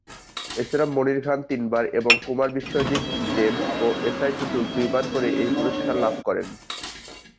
এছাড়া মনির খান তিনবার এবং কুমার বিশ্বজিৎ, জেমস ও এস আই টুটুল দুইবার করে এই পুরস্কার লাভ করেন।